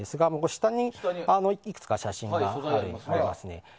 下にいくつか写真があります。